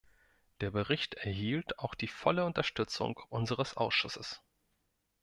Der Bericht erhielt auch die volle Unterstützung unseres Ausschusses.